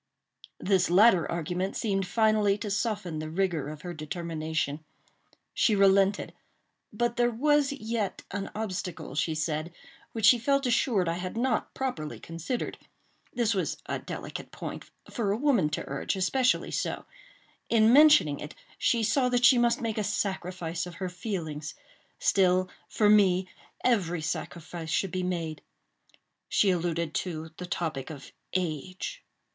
This latter argument seemed finally to soften the rigor of her determination. She relented; but there was yet an obstacle, she said, which she felt assured I had not properly considered. This was a delicate point—for a woman to urge, especially so; in mentioning it, she saw that she must make a sacrifice of her feelings; still, for me, every sacrifice should be made. She alluded to the topic of age.